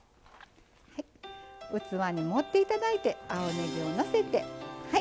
器に盛っていただいて青ねぎをのせてはい。